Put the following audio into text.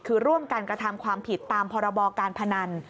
คือร่วมกันกระทำความผิดตามพรบการพนัน